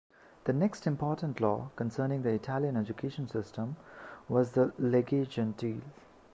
The next important law concerning the Italian education system was the "Legge Gentile".